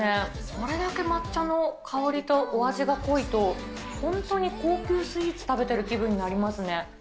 これだけ抹茶の香りとお味が濃いと、本当に高級スイーツ食べてる気分になりますね。